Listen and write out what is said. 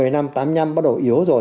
một mươi năm tám năm bắt đầu yếu rồi